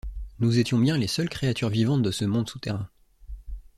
Nous étions bien les seules créatures vivantes de ce monde souterrain.